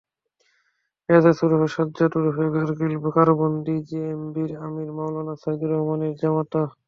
এজাজ ওরফে সাজ্জাদ ওরফে কারগিল কারাবন্দি জেএমবির আমির মাওলানা সাঈদুর রহমানের জামাতা।